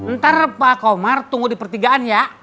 ntar pak komar tunggu di pertigaan ya